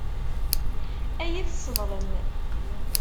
Ad iyi-tesseḍlem.